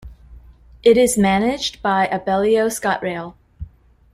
It is managed by Abellio ScotRail.